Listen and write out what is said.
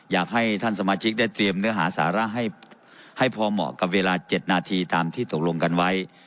อยากให้ท่านสมาชิกได้เตรียมเนื้อหาสาระให้พอเหมาะกับเวลา๗นาทีตามที่ตกลงกันไว้